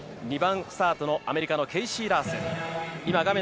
２番スタートのアメリカのケイシー・ラースン。